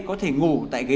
có thể ngủ tại ghế sổ